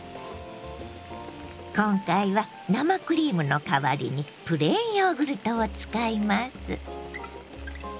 今回は生クリームのかわりにプレーンヨーグルトを使います。